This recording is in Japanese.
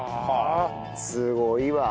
すごいわ！